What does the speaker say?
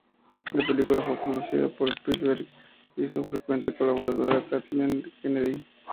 La película fue producida por Spielberg y su frecuente colaboradora Kathleen Kennedy.